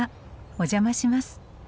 お邪魔します。